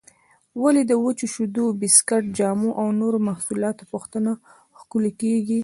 ولې د وچو شیدو، بسکېټ، جامو او نورو محصولاتو پوښونه ښکلي کېږي؟